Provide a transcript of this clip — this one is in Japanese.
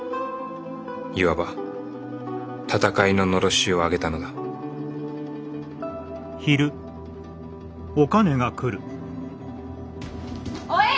いわば戦いの狼煙を上げたのだおえい！